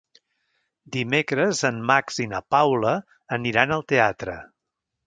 Dimecres en Max i na Paula aniran al teatre.